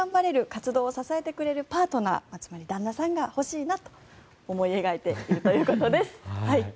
活動を支えてくれるパートナーつまり旦那さんが欲しいなと思い描いているということです。